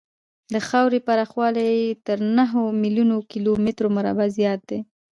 د خاورې پراخوالی یې تر نهو میلیونو کیلومترو مربعو زیات دی.